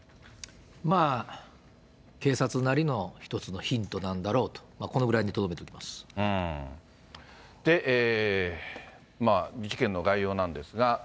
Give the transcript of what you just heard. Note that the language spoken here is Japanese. まあ、警察なりの１つのヒントなんだろうと、このぐらいにとどめておきで、事件の概要なんですが。